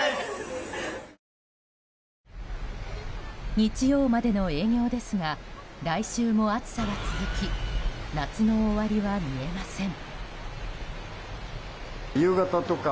日曜までの営業ですが来週も暑さは続き夏の終わりは見えません。